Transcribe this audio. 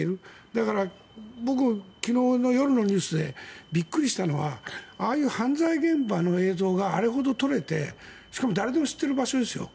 だから僕、昨日の夜のニュースでびっくりしたのはああいう犯罪現場の映像があれほど撮れてしかも誰でも知っている場所ですよ。